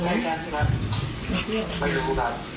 ไม่รู้ครับ